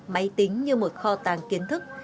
máy tính như một kho tàng kiến thức